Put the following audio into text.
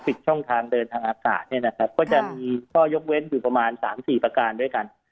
ช่องทางเดินทางอากาศเนี่ยนะครับก็จะมีข้อยกเว้นอยู่ประมาณสามสี่ประการด้วยกัน